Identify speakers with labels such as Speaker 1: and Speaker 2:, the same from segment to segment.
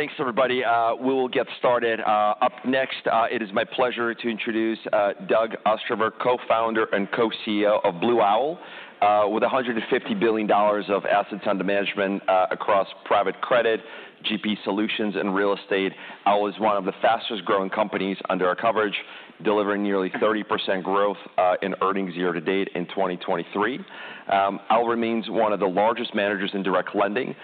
Speaker 1: Thanks, everybody. We will get started. Up next, it is my pleasure to introduce Doug Ostrover, Co-Founder and Co-CEO of Blue Owl. With $150 billion of assets under management, across private credit, GP solutions, and real estate, Owl is one of the fastest-growing companies under our coverage, delivering nearly 30% growth in earnings year to date in 2023. Owl remains one of the largest managers in direct lending,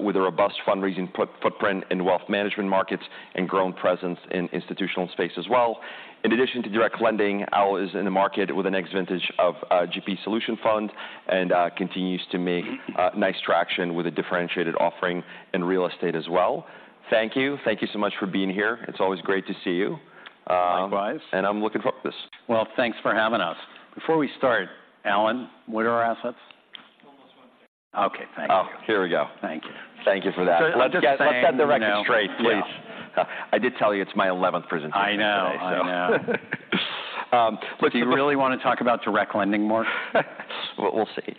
Speaker 1: with a robust fundraising footprint in wealth management markets and growing presence in institutional space as well. In addition to direct lending, Owl is in the market with the next vintage of GP solution fund and continues to make nice traction with a differentiated offering in real estate as well. Thank you. Thank you so much for being here. It's always great to see you.
Speaker 2: Likewise.
Speaker 1: I'm looking for this.
Speaker 2: Well, thanks for having us. Before we start, Alan, what are our assets?
Speaker 1: Almost 150.
Speaker 2: Okay, thank you.
Speaker 1: Oh, here we go.
Speaker 2: Thank you.
Speaker 1: Thank you for that.
Speaker 2: So I'm just saying-
Speaker 1: Let's get the record straight, please.
Speaker 2: Yeah.
Speaker 1: I did tell you it's my eleventh presentation today.
Speaker 2: I know, I know.
Speaker 1: Um, look-
Speaker 2: Do you really want to talk about direct lending more?
Speaker 1: We'll see.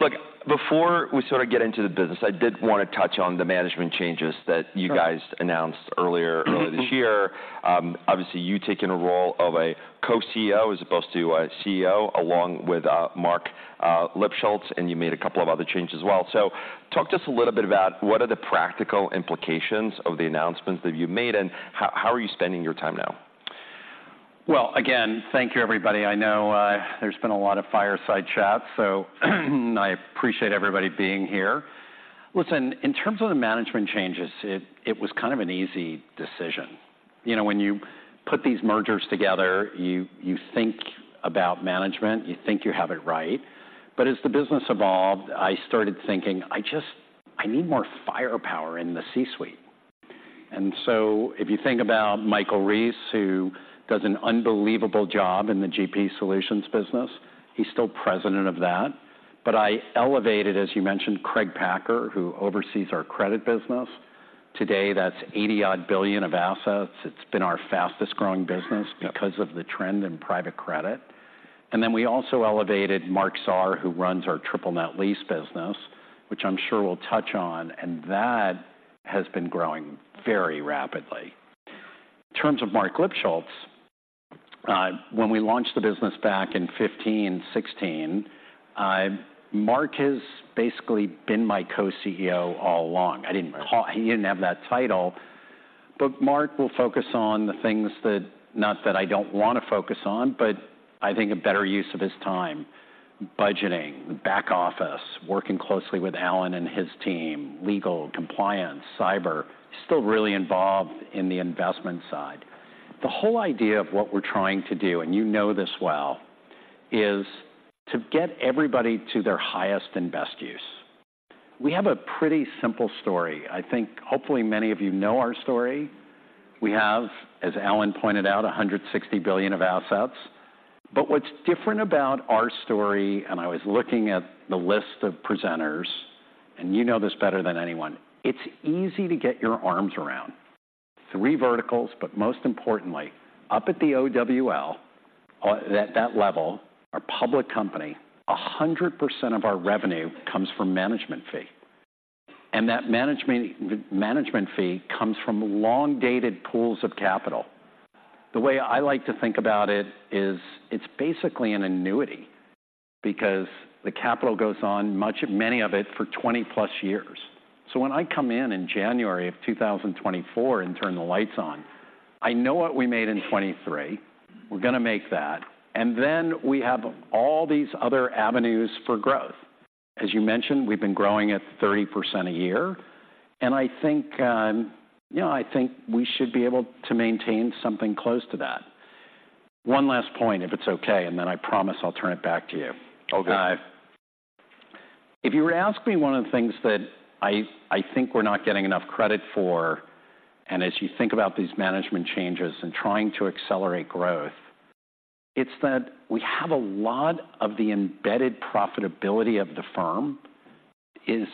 Speaker 1: Look, before we sort of get into the business, I did want to touch on the management changes that you guys announced earlier-
Speaker 2: Mm-hmm...
Speaker 1: earlier this year. Obviously, you taking a role of a Co-CEO as opposed to a CEO, along with Marc Lipschultz, and you made a couple of other changes as well. So talk to us a little bit about what are the practical implications of the announcements that you made, and how are you spending your time now?
Speaker 2: Well, again, thank you, everybody. I know, there's been a lot of fireside chats, so I appreciate everybody being here. Listen, in terms of the management changes, it was kind of an easy decision. You know, when you put these mergers together, you think about management, you think you have it right. But as the business evolved, I started thinking, I just... I need more firepower in the C-suite. And so if you think about Michael Rees, who does an unbelievable job in the GP Solutions business, he's still president of that. But I elevated, as you mentioned, Craig Packer, who oversees our credit business. Today, that's $80-odd billion of assets. It's been our fastest-growing business because of the trend in private credit. Then we also elevated Marc Zahr, who runs our triple net lease business, which I'm sure we'll touch on, and that has been growing very rapidly. In terms of Marc Lipschultz, when we launched the business back in 2015, 2016, Marc has basically been my Co-CEO all along. I didn't call-
Speaker 1: Right.
Speaker 2: He didn't have that title, but Marc will focus on the things that, not that I don't want to focus on, but I think a better use of his time: budgeting, back office, working closely with Alan and his team, legal, compliance, cyber. He's still really involved in the investment side. The whole idea of what we're trying to do, and you know this well, is to get everybody to their highest and best use. We have a pretty simple story. I think hopefully many of you know our story. We have, as Alan pointed out, $160 billion of assets. But what's different about our story, and I was looking at the list of presenters, and you know this better than anyone, it's easy to get your arms around. Three verticals, but most importantly, up at the OWL, at that level, our public company, 100% of our revenue comes from management fee, and that management, management fee comes from long-dated pools of capital. The way I like to think about it is it's basically an annuity because the capital goes on much, many of it, for 20+ years. So when I come in in January 2024 and turn the lights on, I know what we made in 2023. We're gonna make that, and then we have all these other avenues for growth. As you mentioned, we've been growing at 30% a year, and I think, you know, I think we should be able to maintain something close to that. One last point, if it's okay, and then I promise I'll turn it back to you.
Speaker 1: Okay.
Speaker 2: If you were to ask me one of the things that I, I think we're not getting enough credit for, and as you think about these management changes and trying to accelerate growth, it's that we have a lot of the embedded profitability of the firm is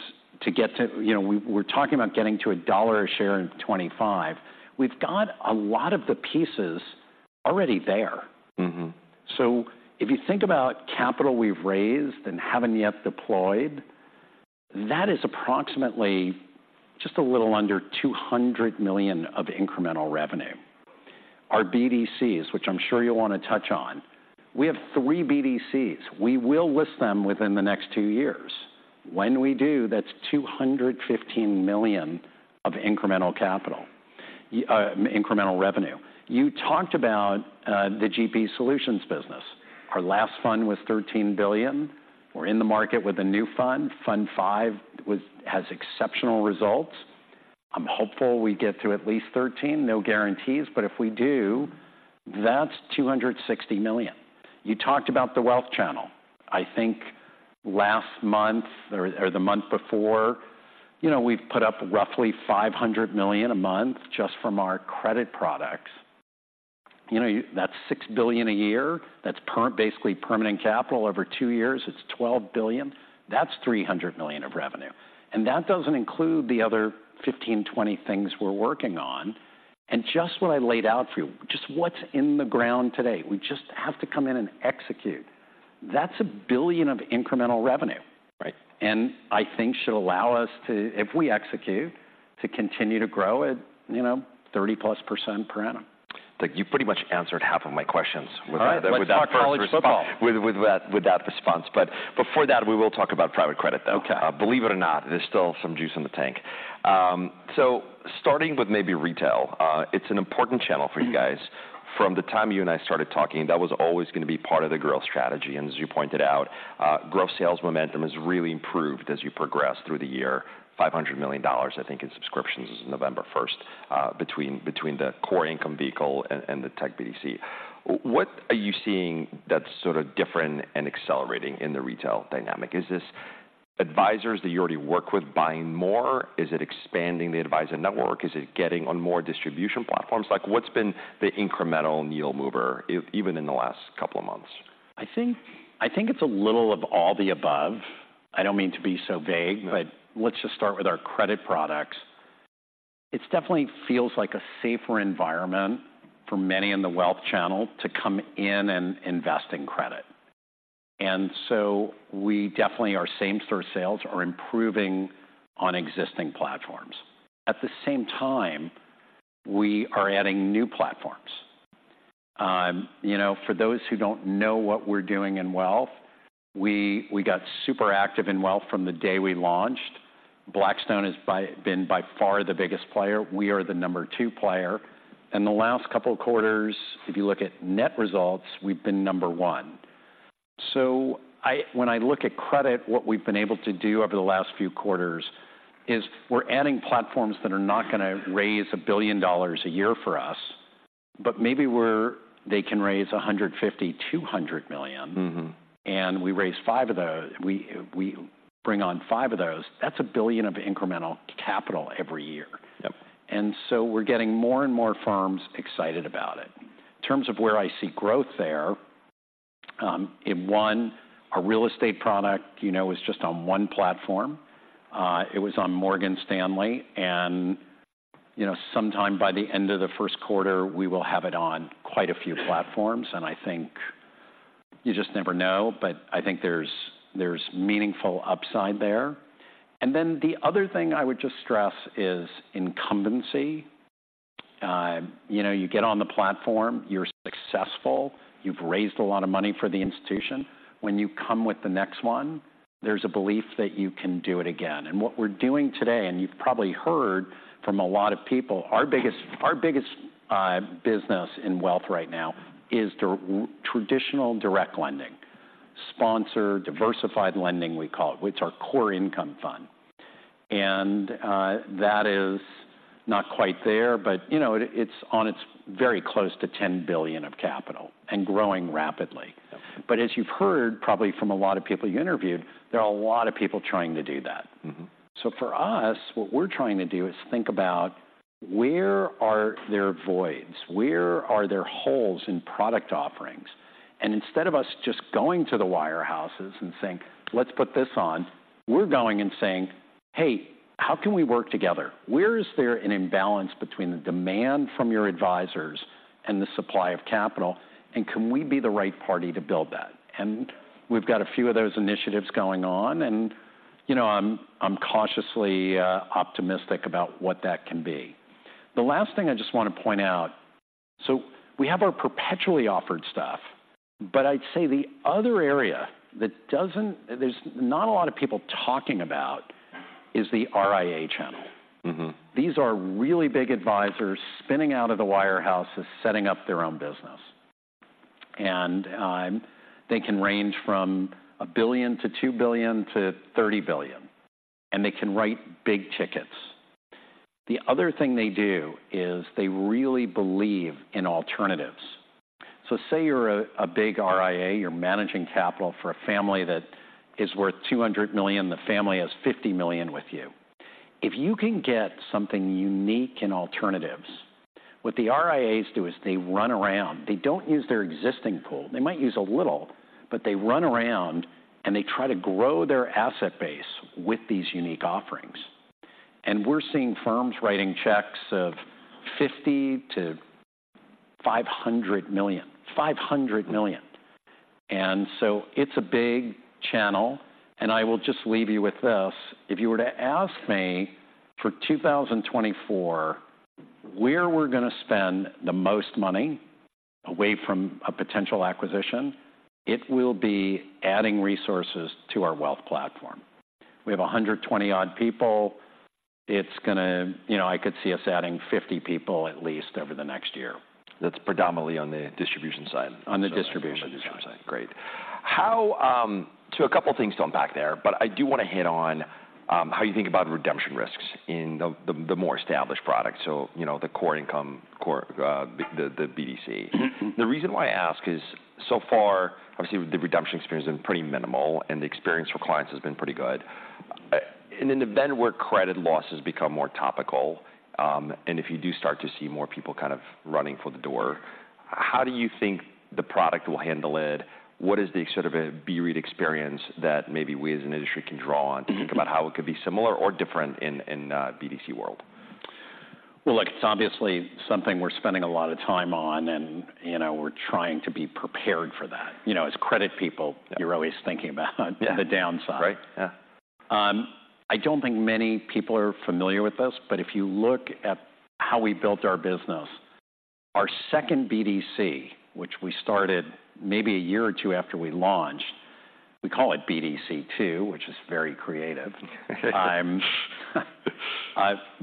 Speaker 2: to get to. You know, we, we're talking about getting to $1 a share in 2025. We've got a lot of the pieces already there.
Speaker 1: Mm-hmm.
Speaker 2: So if you think about capital we've raised and haven't yet deployed, that is approximately just a little under $200 million of incremental revenue. Our BDCs, which I'm sure you'll want to touch on, we have three BDCs. We will list them within the next two years. When we do, that's $215 million of incremental capital, incremental revenue. You talked about the GP Solutions business. Our last fund was $13 billion. We're in the market with a new fund. FundFive was—has exceptional results. I'm hopeful we get to at least $13 billion. No guarantees, but if we do, that's $260 million. You talked about the wealth channel. I think last month or the month before, you know, we've put up roughly $500 million a month just from our credit products. You know, you—that's $6 billion a year. That's basically permanent capital. Over two years, it's $12 billion. That's $300 million of revenue, and that doesn't include the other 15, 20 things we're working on. Just what I laid out for you, just what's in the ground today, we just have to come in and execute. That's $1 billion of incremental revenue, right? And I think should allow us to, if we execute, to continue to grow at, you know, 30%+ per annum.
Speaker 1: Look, you pretty much answered half of my questions with that-
Speaker 2: All right, let's talk college football.
Speaker 1: With that response. But before that, we will talk about private credit, though.
Speaker 2: Okay.
Speaker 1: Believe it or not, there's still some juice in the tank. So starting with maybe retail, it's an important channel for you guys. From the time you and I started talking, that was always going to be part of the growth strategy, and as you pointed out, growth sales momentum has really improved as you progress through the year. $500 million, I think, in subscriptions as of November 1st, between the core income vehicle and the tech BDC. What are you seeing that's sort of different and accelerating in the retail dynamic? Is this advisors that you already work with buying more? Is it expanding the advisor network? Is it getting on more distribution platforms? Like, what's been the incremental needle mover, even in the last couple of months?
Speaker 2: I think, I think it's a little of all the above. I don't mean to be so vague-
Speaker 1: Mm-hmm.
Speaker 2: But let's just start with our credit products. It definitely feels like a safer environment for many in the wealth channel to come in and invest in credit. And so we definitely are, same-store sales are improving on existing platforms. At the same time, we are adding new platforms. You know, for those who don't know what we're doing in wealth, we got super active in wealth from the day we launched. Blackstone has been by far the biggest player. We are the number two player, and the last couple of quarters, if you look at net results, we've been number one. So I... When I look at credit, what we've been able to do over the last few quarters is we're adding platforms that are not gonna raise $1 billion a year for us, but maybe they can raise $150 million-$200 million.
Speaker 1: Mm-hmm.
Speaker 2: We raise five of those... We bring on five of those. That's $1 billion of incremental capital every year.
Speaker 1: Yep.
Speaker 2: So we're getting more and more firms excited about it. In terms of where I see growth there, our real estate product, you know, is just on one platform. It was on Morgan Stanley and, you know, sometime by the end of the first quarter, we will have it on quite a few platforms, and I think you just never know, but I think there's meaningful upside there. And then the other thing I would just stress is incumbency. You know, you get on the platform, you're successful, you've raised a lot of money for the institution. When you come with the next one, there's a belief that you can do it again. And what we're doing today, and you've probably heard from a lot of people, our biggest business in wealth right now is traditional direct lending. Sponsored diversified lending, we call it, it's our core income fund. And, that is not quite there, but, you know, it, it's very close to $10 billion of capital and growing rapidly.
Speaker 1: Yep.
Speaker 2: As you've heard, probably from a lot of people you interviewed, there are a lot of people trying to do that.
Speaker 1: Mm-hmm.
Speaker 2: So for us, what we're trying to do is think about: Where are there voids? Where are there holes in product offerings? And instead of us just going to the wirehouses and saying, "Let's put this on," we're going and saying, "Hey, how can we work together? Where is there an imbalance between the demand from your advisors and the supply of capital, and can we be the right party to build that?" And we've got a few of those initiatives going on, and, you know, I'm cautiously optimistic about what that can be. The last thing I just want to point out... So we have our perpetually offered stuff, but I'd say the other area that doesn't, there's not a lot of people talking about, is the RIA channel.
Speaker 1: Mm-hmm.
Speaker 2: These are really big advisors spinning out of the wirehouses, setting up their own business. And, they can range from $1 billion to $2 billion to $30 billion, and they can write big tickets. The other thing they do is they really believe in alternatives. So say you're a big RIA, you're managing capital for a family that is worth $200 million, the family has $50 million with you. If you can get something unique in alternatives, what the RIAs do is they run around. They don't use their existing pool. They might use a little, but they run around, and they try to grow their asset base with these unique offerings. And we're seeing firms writing checks of $50 million-$500 million. $500 million, and so it's a big channel. I will just leave you with this: If you were to ask me, for 2024, where we're gonna spend the most money away from a potential acquisition, it will be adding resources to our wealth platform. We have 120-odd people. It's gonna... You know, I could see us adding 50 people at least over the next year.
Speaker 1: That's predominantly on the distribution side.
Speaker 2: On the distribution side.
Speaker 1: Great. So a couple of things to unpack there, but I do want to hit on how you think about redemption risks in the more established products, so, you know, the core income, core, the BDC.
Speaker 2: Mm-hmm.
Speaker 1: The reason why I ask is, so far, obviously, the redemption experience has been pretty minimal, and the experience for clients has been pretty good. In an event where credit losses become more topical, and if you do start to see more people kind of running for the door, how do you think the product will handle it? What is the sort of a redemption experience that maybe we as an industry can draw on-
Speaker 2: Mm-hmm...
Speaker 1: to think about how it could be similar or different in BDC world?...
Speaker 2: Well, look, it's obviously something we're spending a lot of time on, and, you know, we're trying to be prepared for that. You know, as credit people-
Speaker 1: Yep.
Speaker 2: You're always thinking about the downside.
Speaker 1: Right. Yeah.
Speaker 2: I don't think many people are familiar with this, but if you look at how we built our business, our second BDC, which we started maybe a year or two after we launched, we call it BDC II, which is very creative,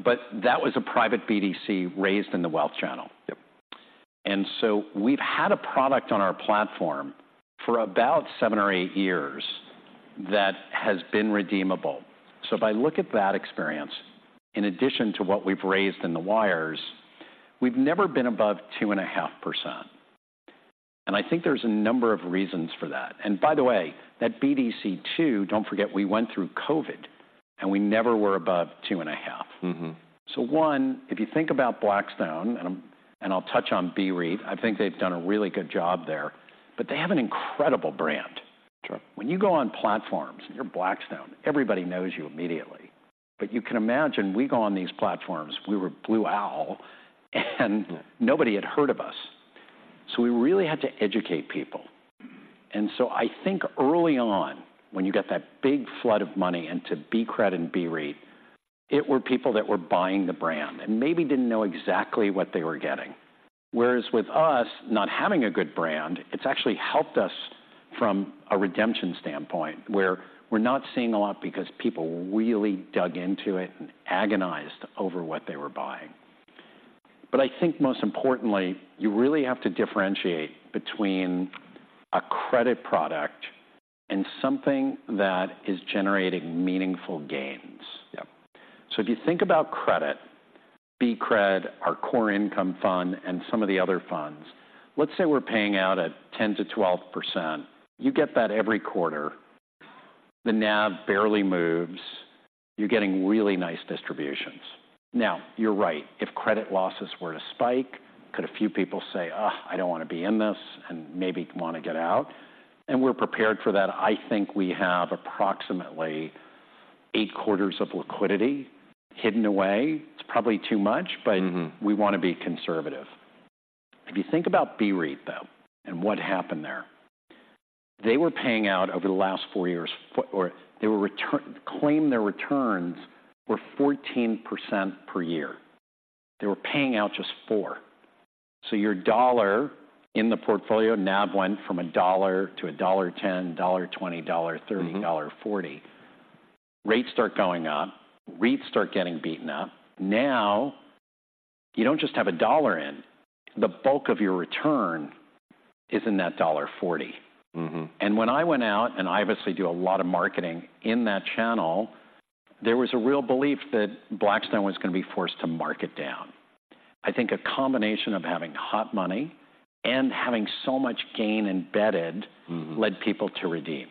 Speaker 2: but that was a private BDC raised in the wealth channel.
Speaker 1: Yep.
Speaker 2: So we've had a product on our platform for about seven or eight years that has been redeemable. If I look at that experience, in addition to what we've raised in the wirehouses, we've never been above 2.5%, and I think there's a number of reasons for that. By the way, that BDC, too, don't forget, we went through COVID, and we never were above 2.5%.
Speaker 1: Mm-hmm.
Speaker 2: So one, if you think about Blackstone, and I'll touch on BREIT, I think they've done a really good job there, but they have an incredible brand.
Speaker 1: Sure.
Speaker 2: When you go on platforms, you're Blackstone, everybody knows you immediately. But you can imagine, we go on these platforms, we were Blue Owl, and nobody had heard of us. So we really had to educate people.
Speaker 1: Mm-hmm.
Speaker 2: So I think early on, when you got that big flood of money into BCRED and BREIT, it were people that were buying the brand and maybe didn't know exactly what they were getting. Whereas with us not having a good brand, it's actually helped us from a redemption standpoint, where we're not seeing a lot because people really dug into it and agonized over what they were buying. But I think most importantly, you really have to differentiate between a credit product and something that is generating meaningful gains.
Speaker 1: Yep.
Speaker 2: So if you think about credit, BCRED, our core income fund, and some of the other funds, let's say we're paying out at 10%-12%. You get that every quarter. The NAV barely moves. You're getting really nice distributions. Now, you're right. If credit losses were to spike, could a few people say, "Ugh, I don't want to be in this," and maybe want to get out? And we're prepared for that. I think we have approximately eight quarters of liquidity hidden away. It's probably too much-
Speaker 1: Mm-hmm.
Speaker 2: But we want to be conservative. If you think about BREIT, though, and what happened there, they were paying out over the last four years, claimed their returns were 14% per year. They were paying out just four. So your $1 in the portfolio, NAV, went from $1-$1.10, $1.20, $1.30-
Speaker 1: Mm-hmm
Speaker 2: ...$1.40. Rates start going up. REITs start getting beaten up. Now, you don't just have a $1 in. The bulk of your return is in that $1.40.
Speaker 1: Mm-hmm.
Speaker 2: When I went out, and I obviously do a lot of marketing in that channel, there was a real belief that Blackstone was going to be forced to mark it down. I think a combination of having hot money and having so much gain embedded-
Speaker 1: Mm-hmm
Speaker 2: Led people to redeem.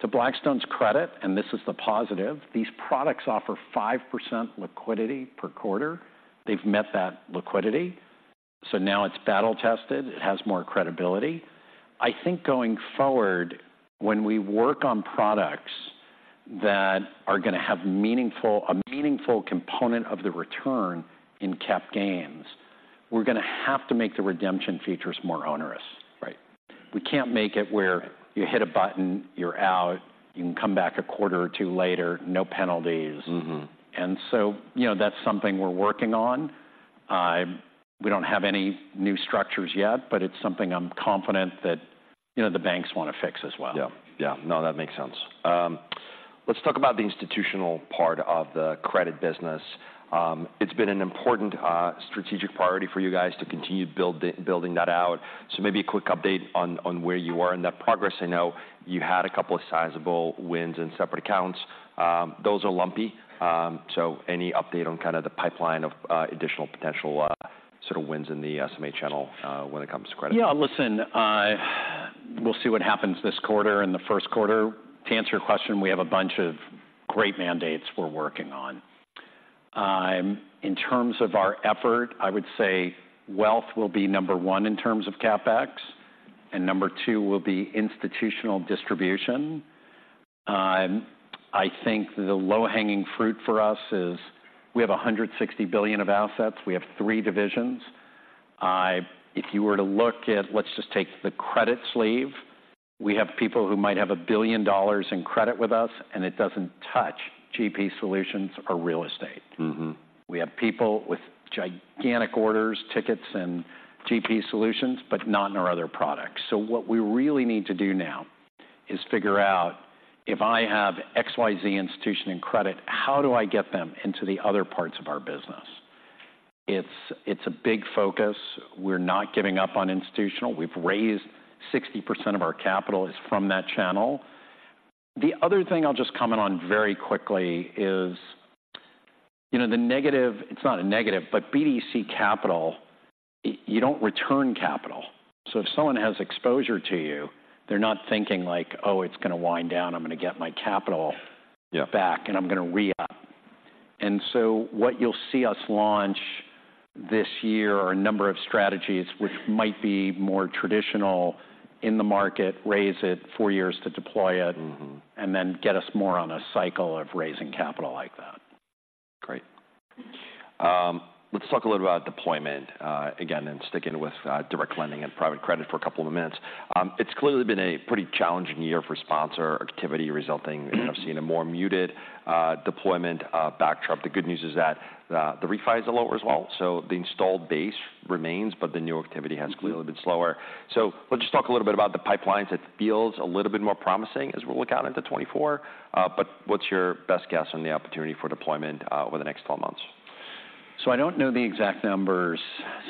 Speaker 2: To Blackstone's credit, and this is the positive, these products offer 5% liquidity per quarter. They've met that liquidity, so now it's battle-tested. It has more credibility. I think going forward, when we work on products that are going to have a meaningful component of the return in cap gains, we're going to have to make the redemption features more onerous, right? We can't make it where you hit a button, you're out, you can come back a quarter or two later, no penalties.
Speaker 1: Mm-hmm.
Speaker 2: And so, you know, that's something we're working on. We don't have any new structures yet, but it's something I'm confident that, you know, the banks want to fix as well.
Speaker 1: Yeah. Yeah. No, that makes sense. Let's talk about the institutional part of the credit business. It's been an important strategic priority for you guys to continue building that out. So maybe a quick update on where you are in that progress. I know you had a couple of sizable wins in separate accounts. Those are lumpy. So any update on kind of the pipeline of additional potential sort of wins in the SMA channel when it comes to credit?
Speaker 2: Yeah, listen, we'll see what happens this quarter and the first quarter. To answer your question, we have a bunch of great mandates we're working on. In terms of our effort, I would say wealth will be number one in terms of CapEx, and number two will be institutional distribution. I think the low-hanging fruit for us is we have $160 billion of assets. We have three divisions. If you were to look at... Let's just take the credit sleeve. We have people who might have $1 billion in credit with us, and it doesn't touch GP Solutions or real estate.
Speaker 1: Mm-hmm.
Speaker 2: We have people with gigantic orders, tickets, and GP solutions, but not in our other products. So what we really need to do now is figure out if I have XYZ institution in credit, how do I get them into the other parts of our business? It's, it's a big focus. We're not giving up on institutional. We've raised 60% of our capital is from that channel. The other thing I'll just comment on very quickly is, you know, the negative - it's not a negative, but BDC capital, you don't return capital. So if someone has exposure to you, they're not thinking like, "Oh, it's going to wind down. I'm going to get my capital-
Speaker 1: Yeah...
Speaker 2: back, and I'm going to re-up. And so what you'll see us launch this year are a number of strategies which might be more traditional in the market, raise it four years to deploy it.
Speaker 1: Mm-hmm.
Speaker 2: and then get us more on a cycle of raising capital like that.
Speaker 1: Great. Let's talk a little about deployment, again, and sticking with direct lending and private credit for a couple of minutes. It's clearly been a pretty challenging year for sponsor activity, resulting in-
Speaker 2: Mm-hmm
Speaker 1: - seeing a more muted, deployment, backdrop. The good news is that, the refis are lower as well, so the installed base remains, but the new activity-
Speaker 2: Mm-hmm
Speaker 1: has clearly been slower. So let's just talk a little bit about the pipelines. It feels a little bit more promising as we look out into 2024, but what's your best guess on the opportunity for deployment over the next 12 months?
Speaker 2: I don't know the exact numbers,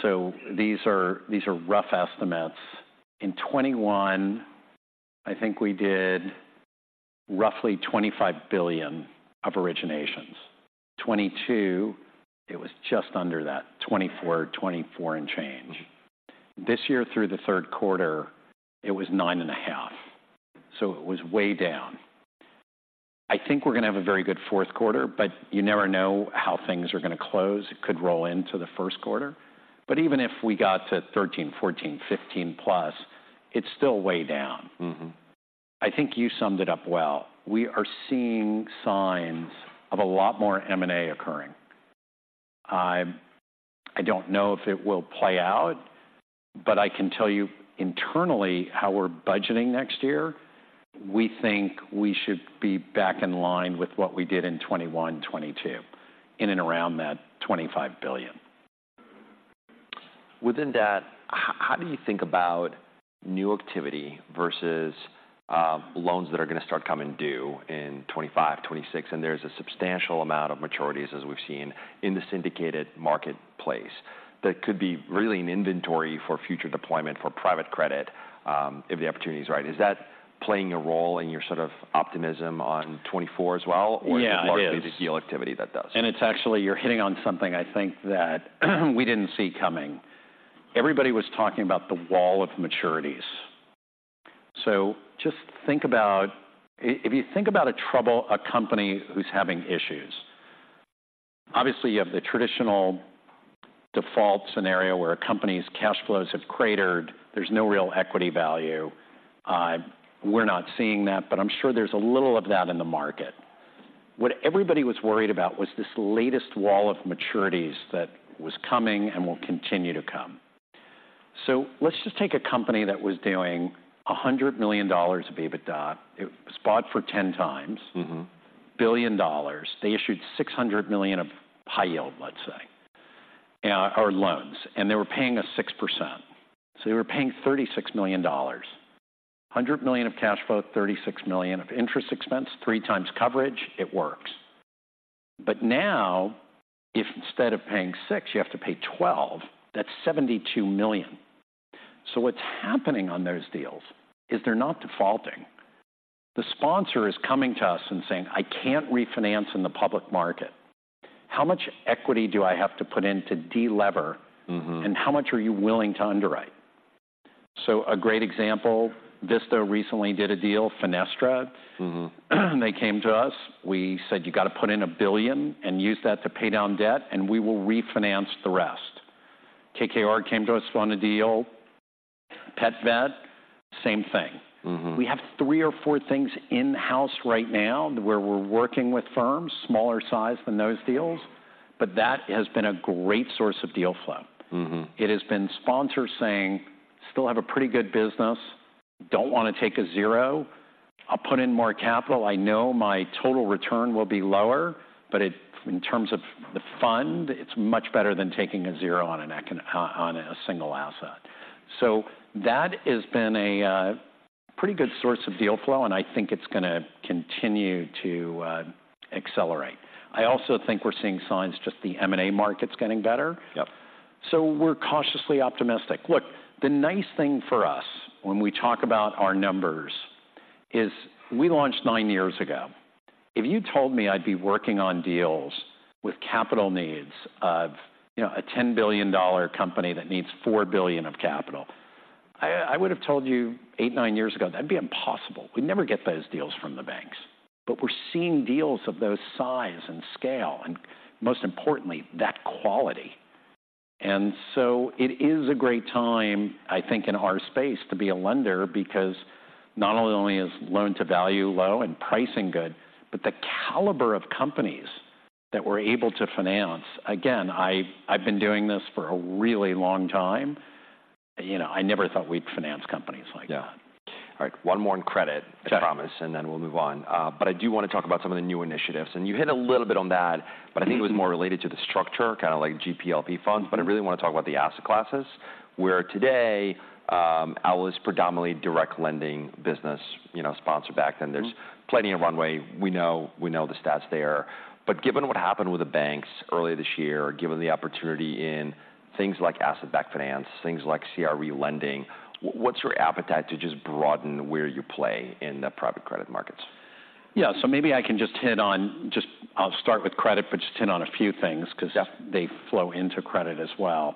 Speaker 2: so these are rough estimates. In 2021, I think we did roughly $25 billion of originations. 2022, it was just under that, $24 billion, $24 billion and change.
Speaker 1: Mm-hmm.
Speaker 2: This year, through the third quarter, it was 9.5, so it was way down. I think we're gonna have a very good fourth quarter, but you never know how things are gonna close. It could roll into the first quarter, but even if we got to 13, 14, 15+, it's still way down.
Speaker 1: Mm-hmm.
Speaker 2: I think you summed it up well. We are seeing signs of a lot more M&A occurring. I don't know if it will play out, but I can tell you internally how we're budgeting next year, we think we should be back in line with what we did in 2021, 2022, in and around that $25 billion.
Speaker 1: Within that, how do you think about new activity versus, loans that are gonna start coming due in 2025, 2026, and there's a substantial amount of maturities, as we've seen, in the syndicated marketplace that could be really an inventory for future deployment for private credit, if the opportunity is right. Is that playing a role in your sort of optimism on 2024 as well?
Speaker 2: Yeah, it is.
Speaker 1: Or is it largely the deal activity that does?
Speaker 2: It's actually... You're hitting on something I think that we didn't see coming. Everybody was talking about the Wall of Maturities. So just think about if you think about a company who's having issues, obviously you have the traditional default scenario, where a company's cash flows have cratered. There's no real equity value. We're not seeing that, but I'm sure there's a little of that in the market. What everybody was worried about was this latest Wall of Maturities that was coming and will continue to come. So let's just take a company that was doing $100 million of EBITDA. It was bought for 10x.
Speaker 1: Mm-hmm.
Speaker 2: $1 billion. They issued $600 million of high yield, let's say, or loans, and they were paying us 6%, so they were paying $36 million. 100 million of cash flow, $36 million of interest expense, 3x coverage, it works. But now, if instead of paying six you have to pay 12, that's $72 million. So what's happening on those deals is they're not defaulting. The sponsor is coming to us and saying: "I can't refinance in the public market. How much equity do I have to put in to de-lever-
Speaker 1: Mm-hmm.
Speaker 2: “and how much are you willing to underwrite?” So a great example, Vista recently did a deal, Fenestra.
Speaker 1: Mm-hmm.
Speaker 2: They came to us. We said, "You got to put in $1 billion and use that to pay down debt, and we will refinance the rest." KKR came to us on a deal, PetVet, same thing.
Speaker 1: Mm-hmm.
Speaker 2: We have three or four things in-house right now, where we're working with firms, smaller size than those deals, but that has been a great source of deal flow.
Speaker 1: Mm-hmm.
Speaker 2: It has been sponsors saying, "Still have a pretty good business. Don't want to take a zero. I'll put in more capital. I know my total return will be lower, but it in terms of the fund, it's much better than taking a zero on a single asset." So that has been a pretty good source of deal flow, and I think it's gonna continue to accelerate. I also think we're seeing signs, just the M&A market's getting better.
Speaker 1: Yep.
Speaker 2: So we're cautiously optimistic. Look, the nice thing for us when we talk about our numbers is we launched nine years ago. If you told me I'd be working on deals with capital needs of, you know, a $10 billion company that needs $4 billion of capital, I, I would have told you eight, nine years ago, that'd be impossible. We'd never get those deals from the banks. But we're seeing deals of those size and scale, and most importantly, that quality. And so it is a great time, I think, in our space, to be a lender because not only is loan-to-value low and pricing good, but the caliber of companies that we're able to finance... Again, I, I've been doing this for a really long time. You know, I never thought we'd finance companies like that.
Speaker 1: Yeah. All right, one more on credit-
Speaker 2: Okay.
Speaker 1: I promise, and then we'll move on. But I do want to talk about some of the new initiatives. And you hit a little bit on that-
Speaker 2: Mm-hmm...
Speaker 1: but I think it was more related to the structure, kind of like GP/LP funds.
Speaker 2: Mm-hmm.
Speaker 1: I really want to talk about the asset classes, where today, Owl is predominantly direct lending business, you know, sponsor backed-
Speaker 2: Mm-hmm...
Speaker 1: and there's plenty of runway. We know, we know the stats there. But given what happened with the banks earlier this year, given the opportunity in things like asset-backed finance, things like CRE lending, what's your appetite to just broaden where you play in the private credit markets?
Speaker 2: Yeah, so maybe I can just hit on... Just, I'll start with credit, but just hit on a few things-
Speaker 1: Yep...
Speaker 2: 'cause they flow into credit as well....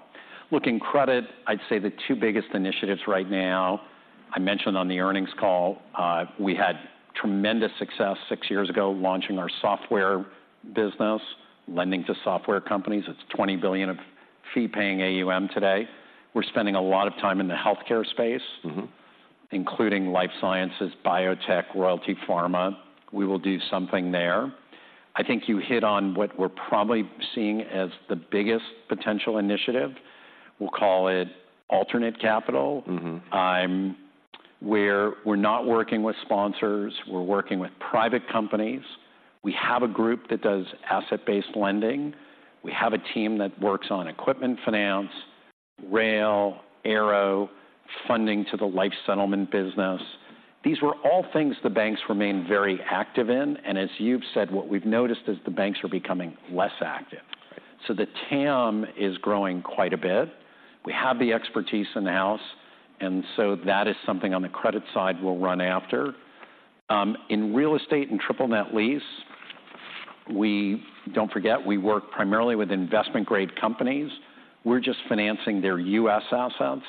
Speaker 2: Look, in credit, I'd say the two biggest initiatives right now, I mentioned on the earnings call, we had tremendous success six years ago launching our software business, lending to software companies. It's $20 billion of fee-paying AUM today. We're spending a lot of time in the healthcare space-
Speaker 1: Mm-hmm.
Speaker 2: including life sciences, biotech, royalty, pharma. We will do something there. I think you hit on what we're probably seeing as the biggest potential initiative. We'll call it alternate capital.
Speaker 1: Mm-hmm.
Speaker 2: We're not working with sponsors. We're working with private companies. We have a group that does asset-based lending. We have a team that works on equipment finance, rail, aero, funding to the life settlement business. These were all things the banks remained very active in, and as you've said, what we've noticed is the banks are becoming less active.
Speaker 1: Right.
Speaker 2: The TAM is growing quite a bit. We have the expertise in-house, and so that is something on the credit side we'll run after. In real estate and triple net lease, we don't forget, we work primarily with investment-grade companies. We're just financing their U.S. assets.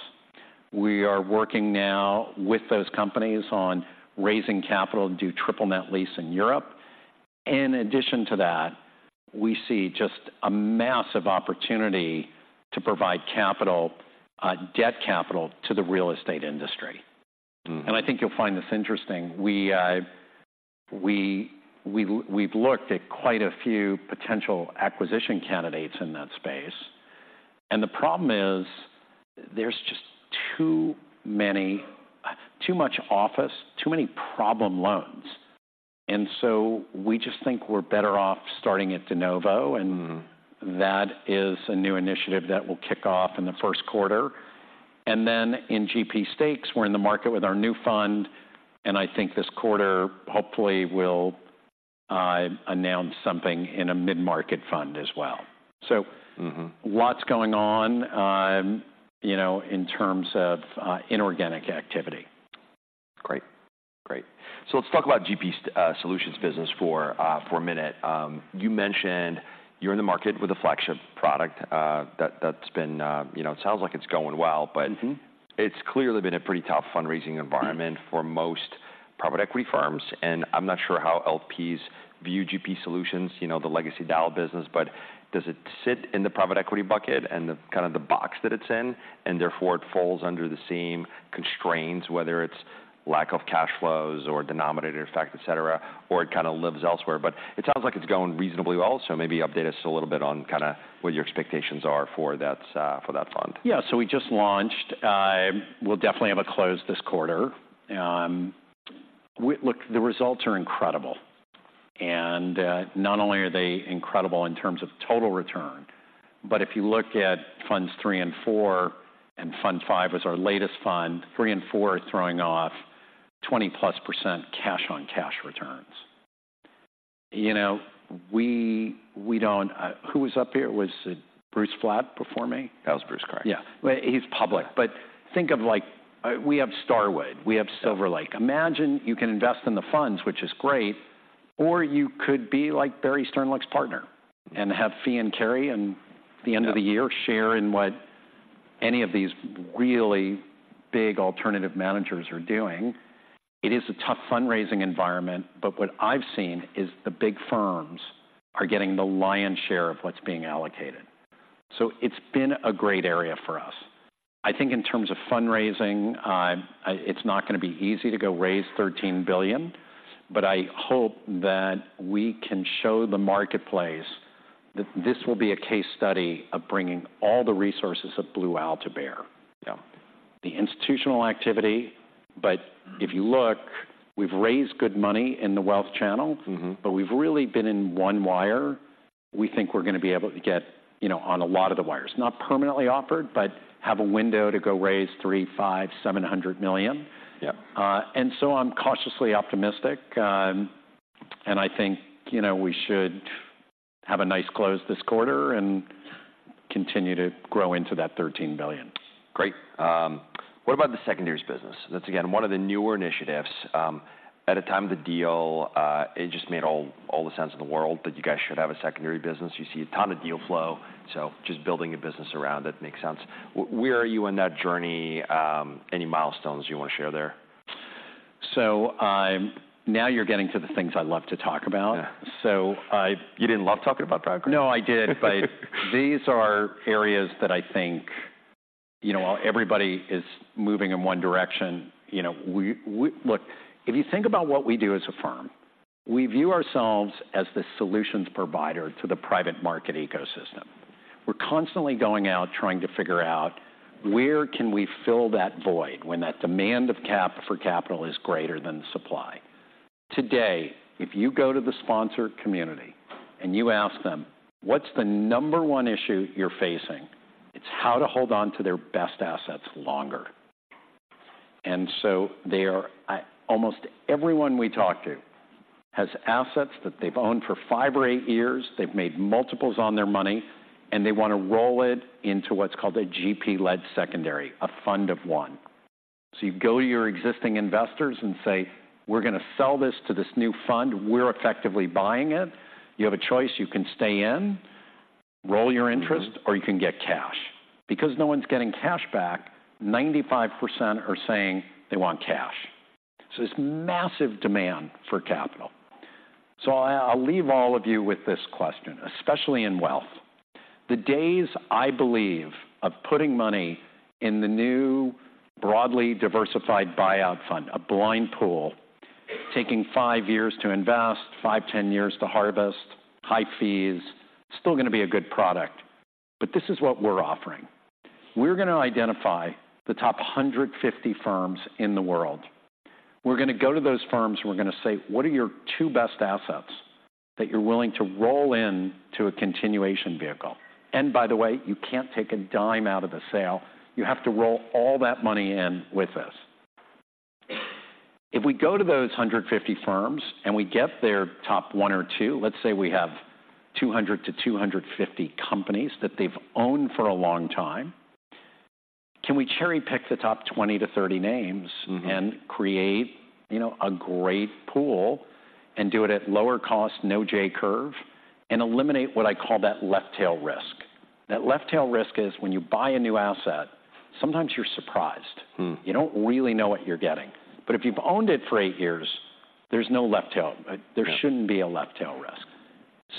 Speaker 2: We are working now with those companies on raising capital to do triple net lease in Europe. In addition to that, we see just a massive opportunity to provide capital, debt capital to the real estate industry.
Speaker 1: Mm.
Speaker 2: And I think you'll find this interesting: we've looked at quite a few potential acquisition candidates in that space, and the problem is there's just too many-too much office, too many problem loans. And so we just think we're better off starting at de novo, and-
Speaker 1: Mm...
Speaker 2: that is a new initiative that will kick off in the first quarter. And then in GP stakes, we're in the market with our new fund, and I think this quarter, hopefully we'll announce something in a mid-market fund as well. So-
Speaker 1: Mm-hmm.
Speaker 2: - lots going on, you know, in terms of, inorganic activity.
Speaker 1: Great. Great. So let's talk about GP Solutions business for a minute. You mentioned you're in the market with a flagship product that that's been. You know, it sounds like it's going well-
Speaker 2: Mm-hmm.
Speaker 1: - but it's clearly been a pretty tough fundraising environment-
Speaker 2: Mm
Speaker 1: for most private equity firms, and I'm not sure how LPs view GP Solutions, you know, the legacy Dyal business, but does it sit in the private equity bucket and the kind of the box that it's in, and therefore it falls under the same constraints, whether it's lack of cash flows or denominator effect, et cetera, or it kind of lives elsewhere? But it sounds like it's going reasonably well, so maybe update us a little bit on kind of what your expectations are for that, for that fund.
Speaker 2: Yeah. So we just launched. We'll definitely have a close this quarter. Look, the results are incredible, and not only are they incredible in terms of total return, but if you look at funds three and four, and fund five is our latest fund, three and four are throwing off 20%+ cash-on-cash returns. You know, we, we don't... Who was up here? Was it Bruce Flatt before me?
Speaker 1: That was Bruce Flatt.
Speaker 2: Yeah. Well, he's public, but think of like, we have Starwood, we have Silver Lake. Imagine you can invest in the funds, which is great, or you could be like Barry Sternlicht's partner and have fee and carry and-
Speaker 1: Yeah
Speaker 2: At the end of the year, share in what any of these really big alternative managers are doing. It is a tough fundraising environment, but what I've seen is the big firms are getting the lion's share of what's being allocated. So it's been a great area for us. I think in terms of fundraising, it's not going to be easy to go raise $13 billion, but I hope that we can show the marketplace that this will be a case study of bringing all the resources of Blue Owl to bear.
Speaker 1: Yeah.
Speaker 2: The institutional activity, but if you look, we've raised good money in the wealth channel.
Speaker 1: Mm-hmm.
Speaker 2: but we've really been in one wire. We think we're going to be able to get, you know, on a lot of the wires. Not permanently offered, but have a window to go raise $300 million, $500 million, $700 million.
Speaker 1: Yep.
Speaker 2: So I'm cautiously optimistic, and I think, you know, we should have a nice close this quarter and continue to grow into that $13 billion.
Speaker 1: Great. What about the secondaries business? That's again, one of the newer initiatives. At the time of the deal, it just made all the sense in the world that you guys should have a secondary business. You see a ton of deal flow, so just building a business around it makes sense. Where are you on that journey? Any milestones you want to share there?
Speaker 2: So, now you're getting to the things I love to talk about.
Speaker 1: Yeah.
Speaker 2: So I-
Speaker 1: You didn't love talking about private equity?
Speaker 2: No, I did, but these are areas that I think, you know, while everybody is moving in one direction, you know, we, we... Look, if you think about what we do as a firm, we view ourselves as the solutions provider to the private market ecosystem. We're constantly going out, trying to figure out: Where can we fill that void when that demand of cap-- for capital is greater than the supply? Today, if you go to the sponsor community, and you ask them, "What's the number one issue you're facing?" It's how to hold on to their best assets longer. And so they are, almost everyone we talk to has assets that they've owned for five or eight years. They've made multiples on their money, and they want to roll it into what's called a GP-led secondary, a fund of one... So you go to your existing investors and say, "We're going to sell this to this new fund. We're effectively buying it. You have a choice: You can stay in, roll your interest, or you can get cash." Because no one's getting cash back, 95% are saying they want cash. So there's massive demand for capital. So I, I'll leave all of you with this question, especially in wealth. The days, I believe, of putting money in the new broadly diversified buyout fund, a blind pool, taking five years to invest, five, 10 years to harvest, high fees, still going to be a good product. But this is what we're offering: We're going to identify the top 150 firms in the world. We're going to go to those firms, and we're going to say, "What are your two best assets that you're willing to roll into a continuation vehicle? And by the way, you can't take a dime out of the sale. You have to roll all that money in with us." If we go to those 150 firms, and we get their top one or two, let's say we have 200-250 companies that they've owned for a long time. Can we cherry-pick the top 20-30 names-
Speaker 1: Mm-hmm.
Speaker 2: and create, you know, a great pool and do it at lower cost, no J-curve, and eliminate what I call that left-tail-risk? That left-tail-risk is when you buy a new asset, sometimes you're surprised.
Speaker 1: Hmm.
Speaker 2: You don't really know what you're getting. But if you've owned it for eight years, there's no left-tail.
Speaker 1: Yeah.
Speaker 2: There shouldn't be a left-tail-risk.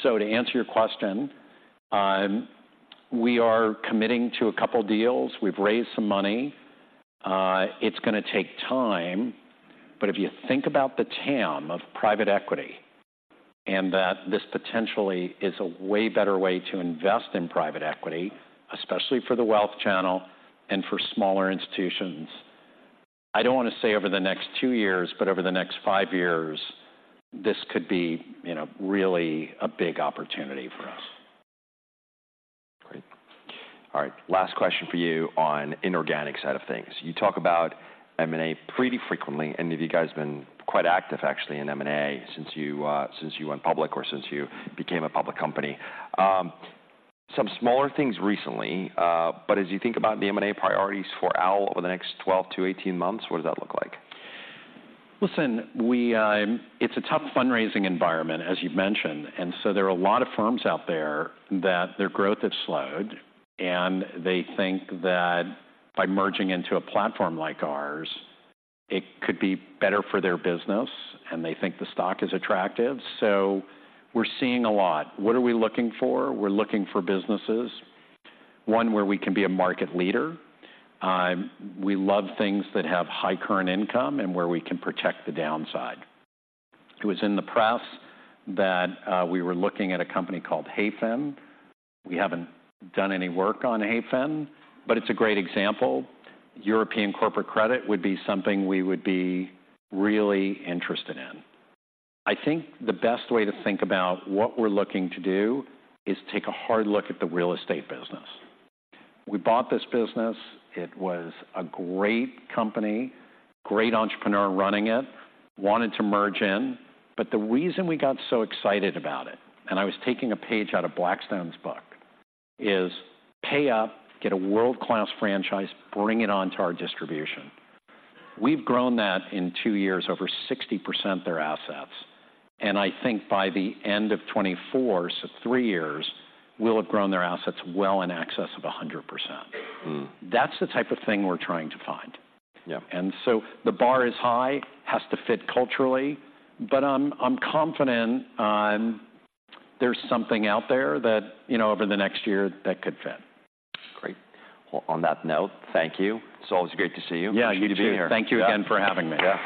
Speaker 2: To answer your question, we are committing to a couple deals. We've raised some money. It's going to take time, but if you think about the TAM of private equity and that this potentially is a way better way to invest in private equity, especially for the wealth channel and for smaller institutions, I don't want to say over the next two years, but over the next five years, this could be, you know, really a big opportunity for us.
Speaker 1: Great. All right, last question for you on inorganic side of things. You talk about M&A pretty frequently, and you guys have been quite active, actually, in M&A since you went public or since you became a public company. Some smaller things recently, but as you think about the M&A priorities for Blue Owl over the next 12-18 months, what does that look like?
Speaker 2: Listen, we... It's a tough fundraising environment, as you've mentioned, and so there are a lot of firms out there that their growth has slowed, and they think that by merging into a platform like ours, it could be better for their business, and they think the stock is attractive, so we're seeing a lot. What are we looking for? We're looking for businesses, one, where we can be a market leader. We love things that have high current income and where we can protect the downside. It was in the press that we were looking at a company called Hayfin. We haven't done any work on Hayfin, but it's a great example. European corporate credit would be something we would be really interested in. I think the best way to think about what we're looking to do is take a hard look at the real estate business. We bought this business. It was a great company, great entrepreneur running it, wanted to merge in. But the reason we got so excited about it, and I was taking a page out of Blackstone's book, is pay up, get a world-class franchise, bring it on to our distribution. We've grown that in two years, over 60% of their assets, and I think by the end of 2024, so three years, we'll have grown their assets well in excess of 100%.
Speaker 1: Hmm.
Speaker 2: That's the type of thing we're trying to find.
Speaker 1: Yeah.
Speaker 2: The bar is high, has to fit culturally, but I'm confident there's something out there that, you know, over the next year, that could fit.
Speaker 1: Great. Well, on that note, thank you. It's always great to see you.
Speaker 2: Yeah, you too.
Speaker 1: Thank you for being here.
Speaker 2: Thank you again for having me.
Speaker 1: Yeah.